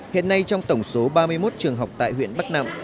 hiện nay trong tổng số ba mươi một trường học tại huyện bắc nặng